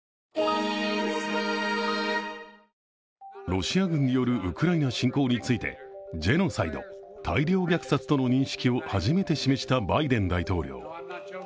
ロシア軍によるウクライナ侵攻についてジェノサイド＝大量虐殺との認識を初めて示したバイデン大統領。